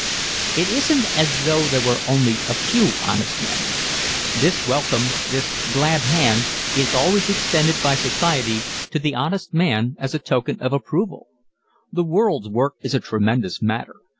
It isn't as though there were only a few honest men. This welcome, this "glad hand," is always extended by society to the honest man as a token of approval. The world's work is a tremendous matter.